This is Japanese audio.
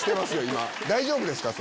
今大丈夫ですか？